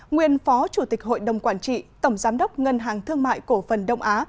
nguyên phó chủ tịch hội đồng quản trị tổng giám đốc ngân hàng thương mại cổ phần đông á